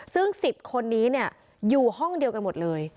ซึ่ง๑๐คนนี้อยู่ห้องเดียวกันหมดเลย